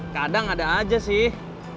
kadang ada aja sih